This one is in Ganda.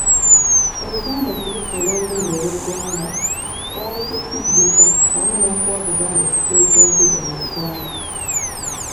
Oluganda okulufuula olulimi lw'eggwanga kwali kutijjisa wamu n'okuwa Buganda ekifo eky'enkizo mu Uganda.